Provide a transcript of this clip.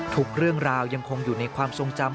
ทุกเรื่องราวยังคงอยู่ในความทรงจำ